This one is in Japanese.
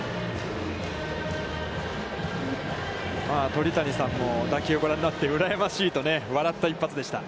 鳥谷さんも打球をご覧になって、うらやましいと笑った一発でした。